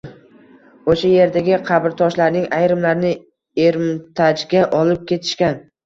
O‘sha yerdagi qabrtoshlarning ayrimlarini Ermitajga olib ketishgan.